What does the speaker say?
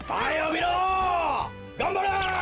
がんばれ！